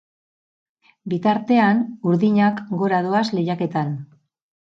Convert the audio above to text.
Bitartean, urdinak gora doaz lehiaketan.